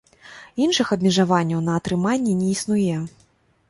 Іншых абмежаванняў на на атрыманне існуе.